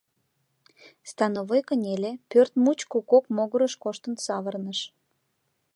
Становой кынеле, пӧрт мучко кок могырыш коштын савырныш.